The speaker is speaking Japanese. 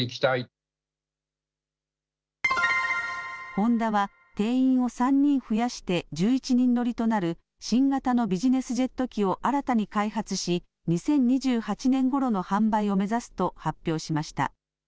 ホンダは定員を３人増やして１１人乗りとなる新型のビジネスジェット機を新たに開発し２０２８年ごろの販売を目指すと発表しました。